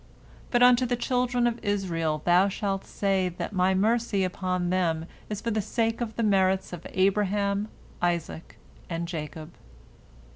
But unto the children of Israel thou shalt say that My mercy upon them is for the sake of the merits of Abraham, Isaac, and Jacob."